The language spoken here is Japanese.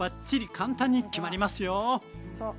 簡単に決まりますよ。